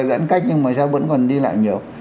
giãn cách nhưng mà sao vẫn còn đi lại nhiều